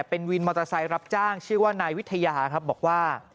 เป็นวินมอเตอร์ไซค์รับจ้างชื่อว่านายวิทยาครับบอกว่า